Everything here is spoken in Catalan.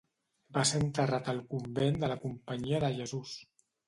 Va ser enterrat al convent de la Companyia de Jesús.